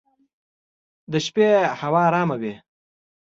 د شپې هوا ارامه وي.